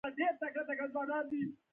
زیات صلاحیت ورکړه شي.